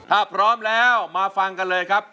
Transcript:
ถ้าพร้อมแล้วมาฟังกันเลยครับ